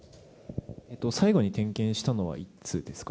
最後に点検したのはいつですか？